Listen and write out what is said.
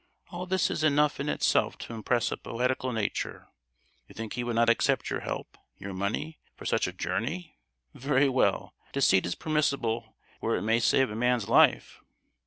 All this is enough in itself to impress a poetical nature. You think he would not accept your help, your money—for such a journey? Very well—deceit is permissible where it may save a man's life.